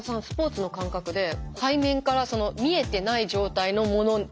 スポーツの感覚で背面から見えてない状態のもの